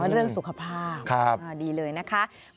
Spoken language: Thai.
อ๋อเรื่องสุขภาพดีเลยนะคะครับ